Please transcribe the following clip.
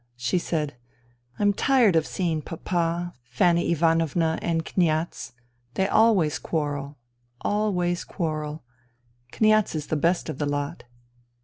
She said, " I*m tired of seeing Papa, Fanny Ivanovna and Kniaz. They always quarrel, always quarrel. ... Kniaz is the best of the lot."